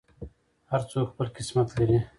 هر څوک خپل قسمت لري.